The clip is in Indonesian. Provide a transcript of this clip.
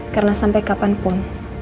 karena sampai kapanpun